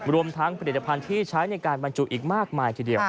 รวมทั้งผลิตภัณฑ์ที่ใช้ในการบรรจุอีกมากมายทีเดียว